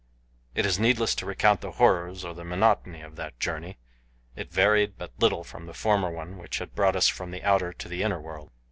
It is needless to recount the horrors or the monotony of that journey. It varied but little from the former one which had brought us from the outer to the inner world.